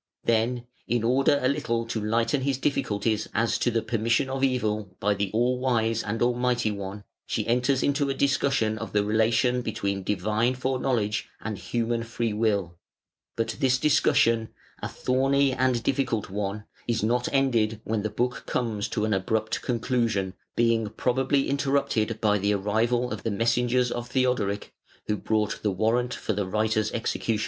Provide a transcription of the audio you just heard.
Then, in order a little to lighten his difficulties as to the permission of evil by the All wise and Almighty One, she enters into a discussion of the relation between Divine Foreknowledge and Human Free will, but this discussion, a thorny and difficult one, is not ended when the book comes to an abrupt conclusion, being probably interrupted by the arrival of the messengers of Theodoric, who brought the warrant for the writer's execution.